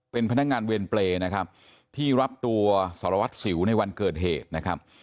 เป็นพนักงานเวรเปรย์นะครับที่รับตัวสารวัตรสิวในวันเกิดเหตุนะครับ